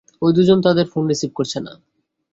ঐ দুজন, তাদের ফোন রিসিভ করছে না।